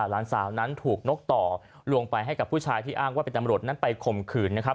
หลานสาวนั้นถูกนกต่อลวงไปให้กับผู้ชายที่อ้างว่าเป็นตำรวจนั้นไปข่มขืนนะครับ